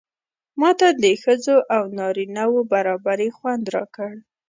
ماته د ښځو او نارینه و برابري خوند راکړ.